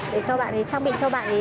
để cho bạn ấy trang bị cho bạn ấy